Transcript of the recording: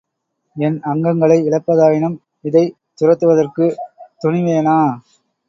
என் அங்கங்களை இழப்பதாயினும், இதைத் துரத்துவதற்குத் துணிவேனா?